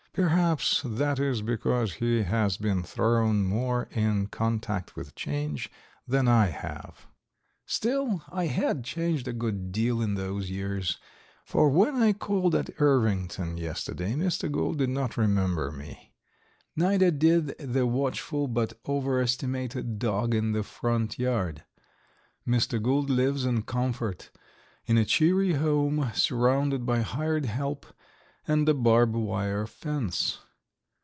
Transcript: Perhaps that is because he has been thrown more in contact with change than I have. Still, I had changed a good deal in those years, for when I called at Irvington yesterday Mr. Gould did not remember me. Neither did the watchful but overestimated dog in the front yard. Mr. Gould lives in comfort, in a cheery home, surrounded by hired help and a barbed wire fence.